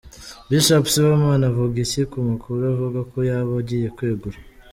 Bishop Sibomana avuga iki ku makuru avuga ko yaba agiye kwegura?.